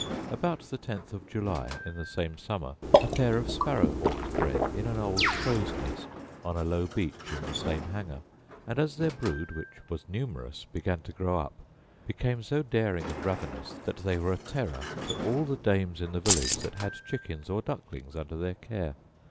About the tenth of July in the same summer a pair of sparrow hawks bred in an old crow's nest on a low beech in the same hanger; and as their brood, which was numerous, began to grow up, became so daring and ravenous, that they were a terror to all the dames in the village that had chickens or ducklings under their care.